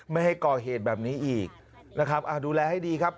ไม่ให้ก่อเหตุแบบนี้อีกนะครับอ่าดูแลให้ดีครับ